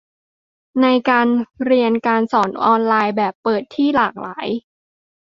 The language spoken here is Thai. ในการเรียนการสอนออนไลน์แบบเปิดที่หลากหลาย